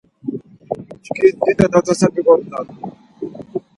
Çku dido natase miyonunan.